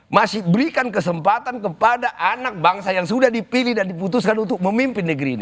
masih berikan kesempatan kepada anak bangsa yang sudah dipilih dan diputuskan untuk memimpin negeri ini